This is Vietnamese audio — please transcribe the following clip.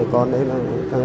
con đấy là